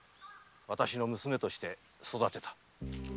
私の娘として育てた〕